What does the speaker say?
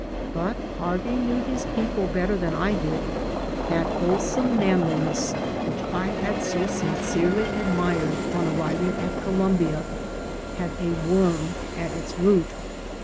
But Harvey knew his people better than I did. That wholesome manliness which I had so sincerely admired on arriving at Columbia had a worm at its root.